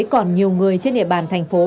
còn nhiều người trên địa bàn thành phố